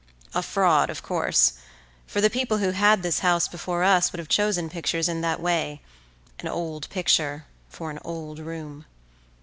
A fraud of course, for the people who had this house before us would have chosen pictures in that way—an old picture for an old room.